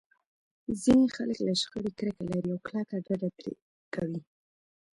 ځينې خلک له شخړې کرکه لري او کلکه ډډه ترې کوي.